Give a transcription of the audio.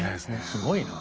すごいな。